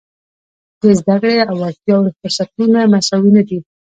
د زده کړې او وړتیاوو فرصتونه مساوي نه دي.